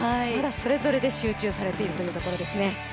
それぞれで集中されているというところですね。